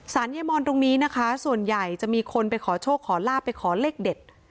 เยมอนตรงนี้นะคะส่วนใหญ่จะมีคนไปขอโชคขอลาบไปขอเลขเด็ด